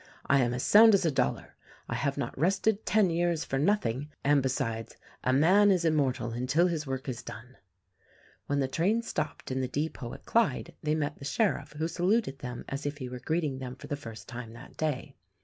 I am as sound as a dollar. I have not rested ten years for nothing. And, besides, 'a man is immortal until his work is done.' " When the train stopped in the depot at Clyde they met the sheriff who saluted them as if he were greeting them for the first time that day.